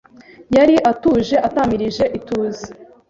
Yari atuje atamirije ituze…